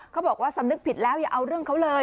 บอกว่าสำนึกผิดแล้วอย่าเอาเรื่องเขาเลย